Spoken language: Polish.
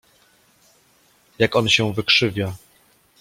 Jak on się wykrzywia!